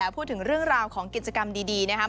พูดถึงเรื่องราวของกิจกรรมดีนะครับ